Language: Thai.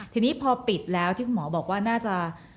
ทีนี้พอปิดแล้วที่คุณหมอบอกว่าน่าจะ